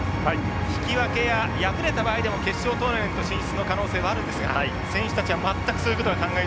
引き分けや敗れた場合でも決勝トーナメント進出の可能性はあるんですが選手たちは全くそういうことは考えていないという話でしたね。